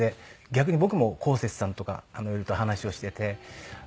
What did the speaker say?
逆に僕もこうせつさんとかいろいろと話をしてて。